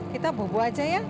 kita bubu aja yang